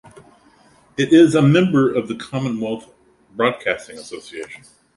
It is a member of the Commonwealth Broadcasting Association.